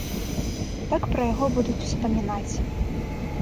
Так пра яго будуць успамінаць.